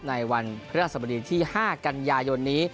ในวันพระราชสมดีที่๕กันยายนนี้